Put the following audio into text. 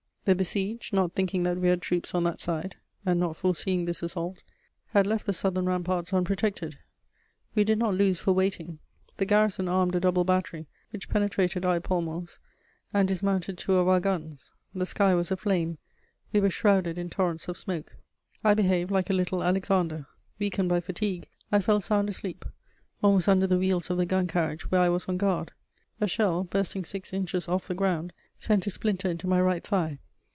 The besieged, not thinking that we had troops on that side, and not foreseeing this assault, had left the southern ramparts unprotected; we did not lose for waiting: the garrison armed a double battery, which penetrated our epaulements and dismounted two of our guns. The sky was aflame; we were shrouded in torrents of smoke. I behaved like a little Alexander: weakened by fatigue, I fell sound asleep, almost under the wheels of the gun carriage where I was on guard. A shell, bursting six inches off the ground, sent a splinter into my right thigh.